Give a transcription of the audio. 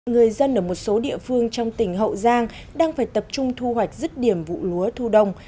người dân ở một số địa phương trong tỉnh hậu giang đang phải tập trung thu hoạch rứt điểm vụ lúa thu đông